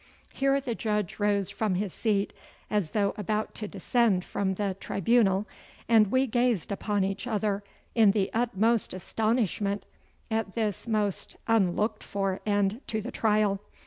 Here the Judge rose from his seat as though about to descend from the tribunal, and we gazed upon each other in the utmost astonishment at this most unlooked for end to the trial.